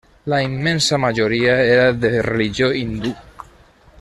La immensa majoria era de religió hindú.